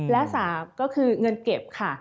และ๓ก็คือเงินเก็บค่ะ